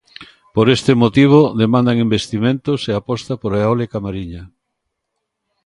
Por este motivo demandan "investimentos e aposta pola eólica mariña".